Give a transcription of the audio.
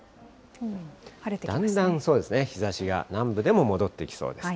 だんだん日ざしが南部でも戻ってきそうです。